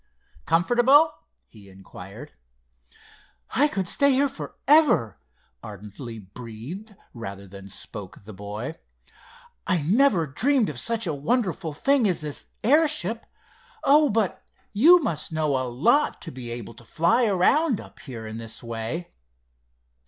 "Comfortable?" he inquired. "I could stay here forever!" ardently breathed, rather than spoke, the boy. "I never dreamed of such a wonderful thing as this airship. Oh, but you must know a lot, to be able to fly around up here in this way!"